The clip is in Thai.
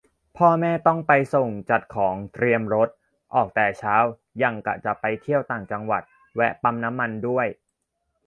พ่อแม่ต้องไปส่ง จัดของ เตรียมรถ ออกแต่เช้า หยั่งกะจะไปเที่ยวต่างจังหวัด แวะปั๊มน้ำมันด้วย